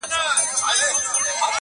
قاسم یاره وې تله که د خدای خپل سوې,